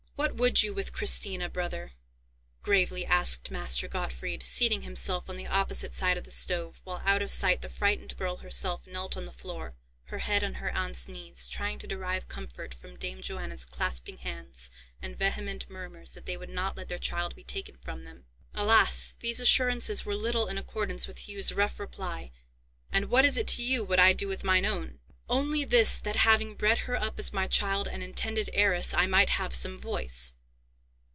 "What would you with Christina, brother?" gravely asked Master Gottfried, seating himself on the opposite side of the stove, while out of sight the frightened girl herself knelt on the floor, her head on her aunt's knees, trying to derive comfort from Dame Johanna's clasping hands, and vehement murmurs that they would not let their child be taken from them. Alas! these assurances were little in accordance with Hugh's rough reply, "And what is it to you what I do with mine own?" "Only this, that, having bred her up as my child and intended heiress, I might have some voice."